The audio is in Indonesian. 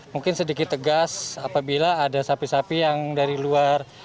mungkin sedikit tegas apabila ada sapi sapi yang dari luar